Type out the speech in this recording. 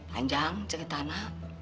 panjang cerita nak